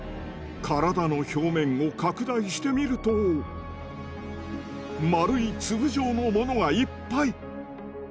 体の表面を拡大してみると丸い粒状のものがいっぱい。